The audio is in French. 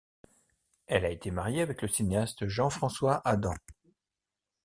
Elle a été mariée avec le cinéaste Jean-François Adam.